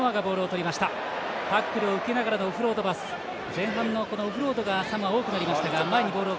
前半のオフロードがサモア、多くなりました。